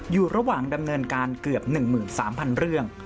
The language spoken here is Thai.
อยู่ระหว่างดำเนินการเกือบ๑๓๐๐เรื่อง